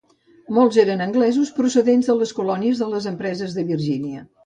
Molts eren anglesos, procedents de les colònies de les empreses de Virgínia.